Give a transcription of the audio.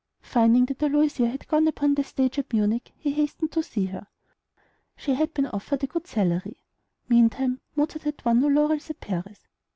Finding that Aloysia had gone upon the stage at Munich, he hastened to see her. She had been offered a good salary. Meantime Mozart had won no new laurels at Paris.